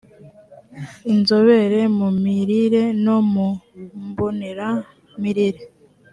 inzobere mu mirire no mu mboneza mirire